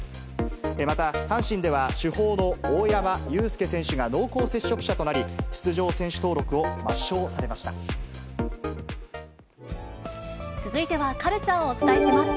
また、阪神では主砲の大山悠輔選手が濃厚接触者となり、出場選手登録を続いてはカルチャーをお伝えします。